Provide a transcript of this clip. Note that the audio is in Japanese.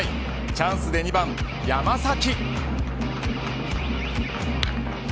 チャンスで２番、山崎。